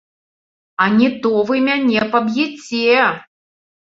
А не то вы мяне паб'еце!